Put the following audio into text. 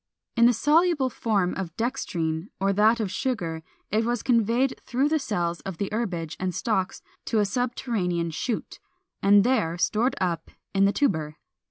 In the soluble form of dextrine, or that of sugar, it was conveyed through the cells of the herbage and stalks to a subterranean shoot, and there stored up in the tuber.